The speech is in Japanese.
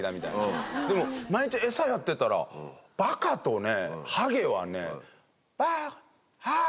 でも毎日餌やってたら「バカ」とね「ハゲ」はね。